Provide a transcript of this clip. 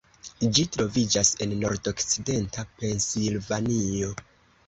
Ĝi troviĝas en nordokcidenta Pensilvanio.